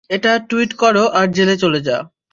এটা টুইট কর আর জেলে চলে যা।